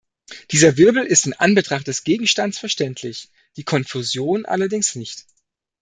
Dieser Wirbel ist in Anbetracht des Gegenstands verständlich, die Konfusion allerdings nicht.